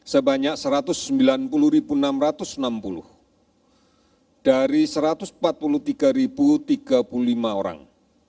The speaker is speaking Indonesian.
sebanyak satu ratus sembilan puluh enam ratus enam puluh dari satu ratus empat puluh tiga tiga puluh lima orang